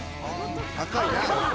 高いな。